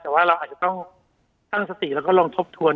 แต่ว่าเราอาจจะต้องตั้งสติแล้วก็ลองทบทวน